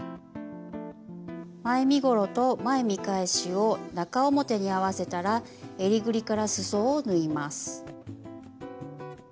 前身ごろと前見返しを中表に合わせたらえりぐりからすそを縫います。